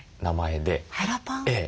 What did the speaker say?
ええ。